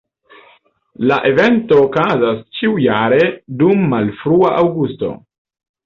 La evento okazas ĉiujare dum malfrua aŭgusto.